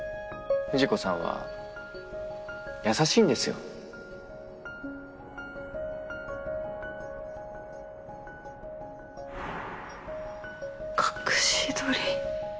藤子さんは優しいんですよ隠し撮り？